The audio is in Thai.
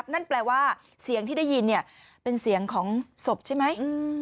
นั่นแปลว่าเสียงที่ได้ยินเป็นเสียงของศพใช่ไหม